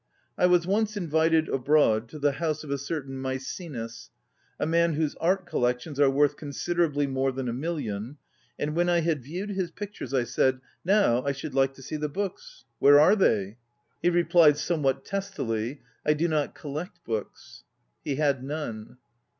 I was once invited, abroad, to the house of a certain Maecenas, ŌĆö a man whose art collections are worth considerably more than a million, ŌĆö and when I had viewed his pictures, I said: "Now I should like to see the books. Where are they? " He replied, somewhat testily: " I do not collect books." He had none.